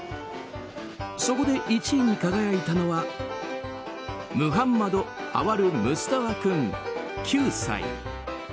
そこで１位に輝いたのはムハンマド・アワル・ムスタファ君、９歳。